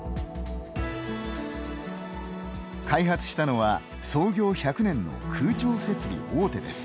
開発したのは創業１００年の空調設備大手です。